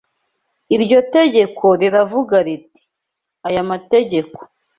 Iryo tegeko riravuga riti: Aya mategeko